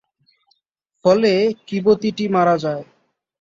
ফলে কিবতীটি মারা যায়।